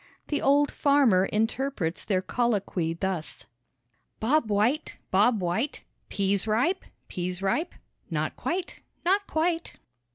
The old farmer interprets their colloquy thus: "Bob White, Bob White, Pease ripe, pease ripe?" "Not quite, not quite."